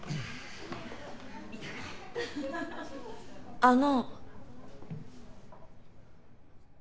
あの。